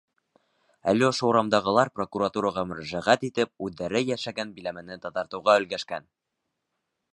Әле ошо урамдағылар, прокуратураға мөрәжәғәт итеп, үҙҙәре йәшәгән биләмәне таҙартыуға өлгәшкән.